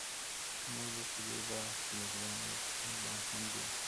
موږ به په دې باغ کې د ګلانو یو کوچنی بڼ هم جوړ کړو.